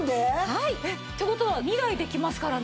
はい！って事は２台できますからね。